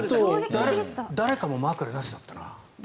誰かも枕なしだったな。